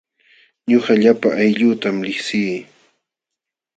Ñuqa llapa aylluutam liqsii.